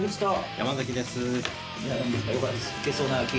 山崎です。